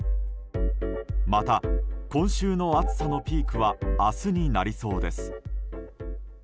また、今週の暑さのピークは明日になりそうです。